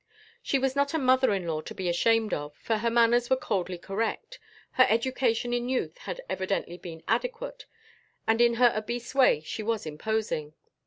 She was not a mother in law to be ashamed of, for her manners were coldly correct, her education in youth had evidently been adequate, and in her obese way she was imposing.